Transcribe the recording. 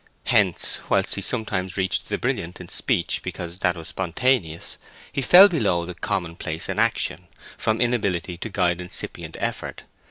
Hence, whilst he sometimes reached the brilliant in speech because that was spontaneous, he fell below the commonplace in action, from inability to guide incipient effort.